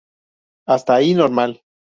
Hasta ahí normal.